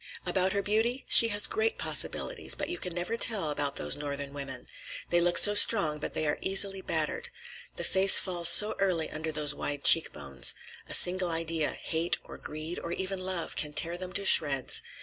"About her beauty? She has great possibilities, but you can never tell about those Northern women. They look so strong, but they are easily battered. The face falls so early under those wide cheek bones. A single idea—hate or greed, or even love—can tear them to shreds.